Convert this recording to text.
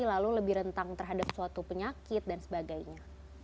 lalu lebih rentan terhadap suatu penyakit dan sebagainya